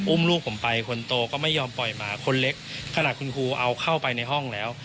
อุ้มลูกผมไปคนโตก็ไม่ยอมปล่อยมาคนเล็กขนาดคุณครูเอาเข้าไปในห้องแล้ว